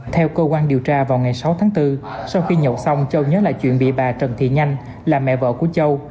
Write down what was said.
theo cơ quan điều tra vào ngày sáu tháng bốn sau khi nhậu xong châu nhớ lại chuyện bị bà trần thị nhanh là mẹ vợ của châu